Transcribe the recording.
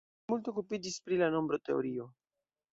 Li multe okupiĝis pri la nombroteorio.